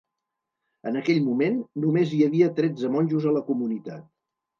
En aquell moment, només hi havia tretze monjos a la comunitat.